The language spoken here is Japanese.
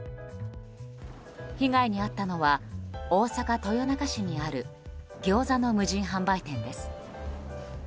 被害に遭ったのは大阪・豊中市にあるギョーザの無人販売店です。